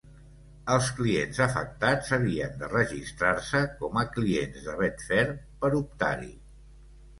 Els clients afectats havien de registrar-se com a clients de Betfair per optar-hi.